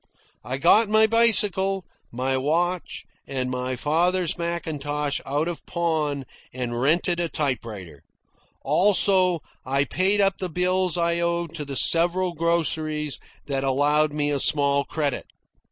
I got my bicycle, my watch, and my father's mackintosh out of pawn and rented a typewriter. Also, I paid up the bills I owed to the several groceries that allowed me a small credit.